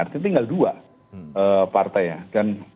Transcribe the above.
artinya tinggal dua partai ya